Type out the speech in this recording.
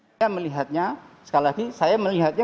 saya melihatnya sekali lagi saya melihatnya